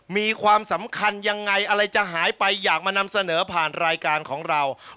มีความสำคัญยังไงอะไรจะหายไปอยากมานำเสนอผ่านรายการของเรา